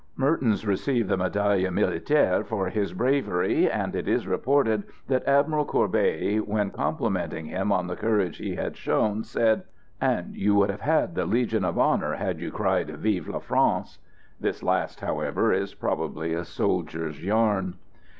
Mertens received the médaille militaire for his bravery; and it is reported that Admiral Courbet, when complimenting him on the courage he had shown, said: "And you would have had the Legion of Honour had you cried, 'Vive la France!'" This last, however, is probably a soldier's yarn.